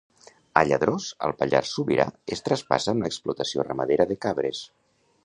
A Lladrós, al Pallars Sobirà es traspassa una explotació ramadera de cabres.